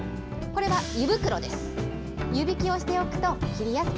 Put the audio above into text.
これは胃袋です。